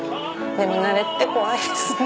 でも慣れって怖いですね。